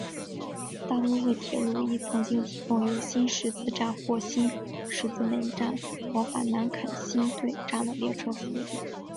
大都会铁路亦曾经提供由新十字站或新十字门站往返南肯辛顿站的列车服务。